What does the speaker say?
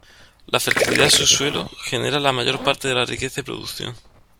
La fertilidad de su suelo, genera la mayor parte de la riqueza y producción.